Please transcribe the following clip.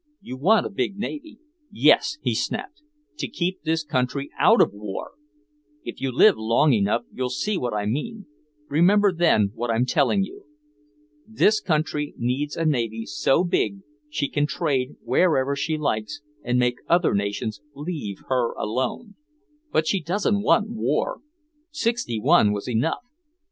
You want a big navy " "Yes," he snapped, "to keep this country out of war! If you live long enough you'll see what I mean remember then what I'm telling you! This country needs a navy so big she can trade wherever she likes and make other nations leave her alone! But she doesn't want war! Sixty One was enough!